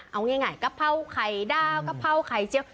เอาง่ายกะเพราไข่ดาวกะเพราไข่เจี๊ยว